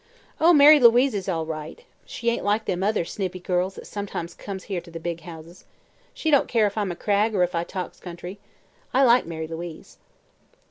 "Oh, Mary Louise is all right. She ain't like them other snippy girls that sometimes comes here to the big houses. She don't care if I am a Cragg, or if I talks country. I like Mary Louise."